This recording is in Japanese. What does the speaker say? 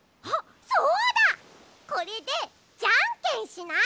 これでじゃんけんしない？